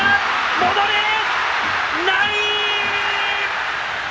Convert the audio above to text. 戻れない！